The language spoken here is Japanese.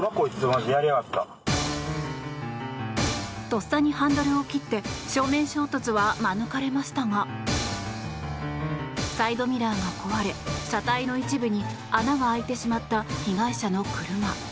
とっさにハンドルを切って正面衝突は免れましたがサイドミラーが壊れ車体の一部に穴が開いてしまった被害者の車。